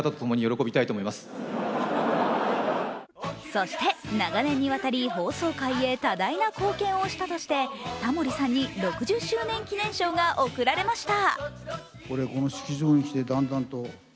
そして、長年にわたり放送界へ多大な貢献をしたとしてタモリさんに６０周年記念賞が贈られました。